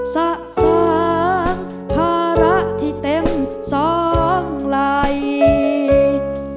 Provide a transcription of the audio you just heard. สะสางภาระที่เต็มซ้องไหล